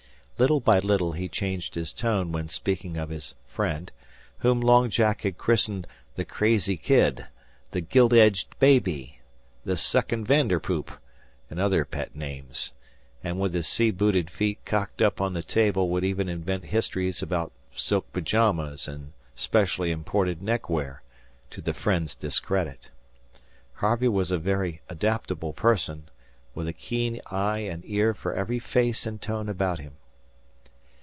Little by little he changed his tone when speaking of his "friend," whom Long Jack had christened "the Crazy Kid," "the Gilt edged Baby," "the Suckin' Vanderpoop," and other pet names; and with his sea booted feet cocked up on the table would even invent histories about silk pajamas and specially imported neckwear, to the "friend's" discredit. Harvey was a very adaptable person, with a keen eye and ear for every face and tone about him.